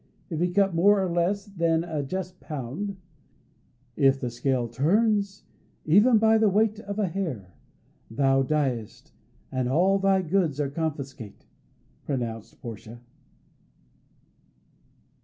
If he cut more or less than a just pound "If the scale turns even by the weight of a hair, thou diest, and all thy goods are confiscate," pronounced Portia.